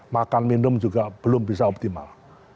makan minum juga belum bisa optimal